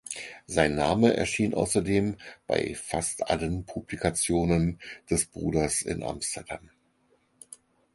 Sein Name erschien außerdem bei fast allen Publikationen des Bruders in Amsterdam.